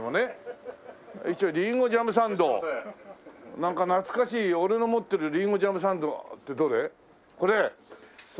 なんか懐かしい俺の思ってるりんごジャムサンドってどれ？